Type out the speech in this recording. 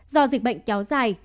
do dịch bệnh kéo dài